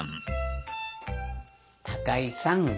高井さん